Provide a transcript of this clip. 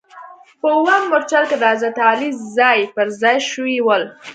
په اووم مورچل کې د حضرت علي ځاې پر ځا ې شوي ول.